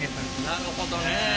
なるほどね。